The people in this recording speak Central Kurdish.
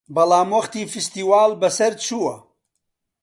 بەڵام وەختی فستیواڵ بەسەر چووە